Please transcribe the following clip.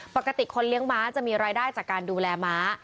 คนเลี้ยงม้าจะมีรายได้จากการดูแลม้า